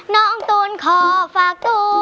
น้องตูนขอฝากตัว